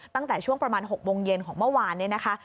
ตั้งแต่ช่วงประมาณ๖โมงเย็นของเมื่อวานนี้นะคะ